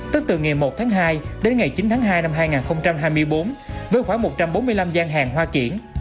tức từ ngày một tháng hai đến ngày chín tháng hai năm hai nghìn hai mươi bốn với khoảng một trăm bốn mươi năm gian hàng hoa kiển